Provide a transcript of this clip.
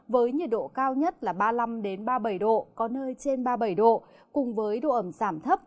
với nhiệt độ cao nhất là ba mươi năm ba mươi bảy độ có nơi trên ba mươi bảy độ cùng với độ ẩm giảm thấp